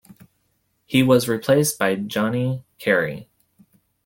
He was replaced by Johnny Carey.